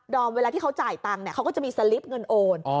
เวลาที่เขาจ่ายตังค์เขาก็จะมีสลิปเงินโอน